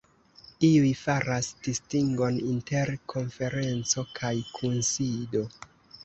Iuj faras distingon inter konferenco kaj kunsido.